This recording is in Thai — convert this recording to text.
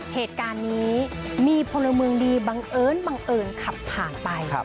เหตุการณ์นี้มีพลเมืองดีบังเอิญบังเอิญขับผ่านไป